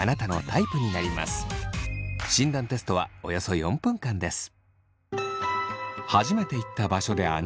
診断テストはおよそ４分間です。